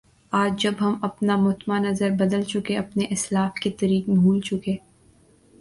آج جب ہم اپنا مطمع نظر بدل چکے اپنے اسلاف کے طریق بھول چکے